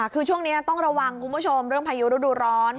คือช่วงนี้ต้องระวังคุณผู้ชมเรื่องพายุฤดูร้อน